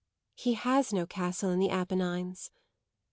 "He has no castle in the Apennines."